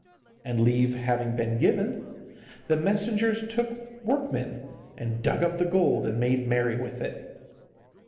And leave having been given, the messengers took workmen and dug up the gold and made merry with it.